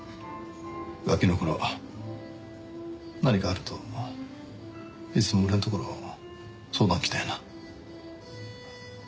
ガキの頃何かあるといつも俺の所相談来たよな。